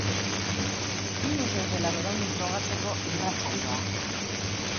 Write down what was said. Inoiz ez dela berandu frogatzeko irratsaioa.